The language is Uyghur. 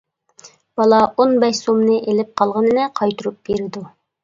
بالا ئون بەش سومنى ئېلىپ قالغىنىنى قايتۇرۇپ بېرىدۇ.